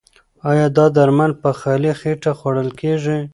ایا دا درمل په خالي خېټه خوړل کیږي؟